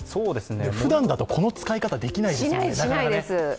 ふだんだと、この使い方できないですよね。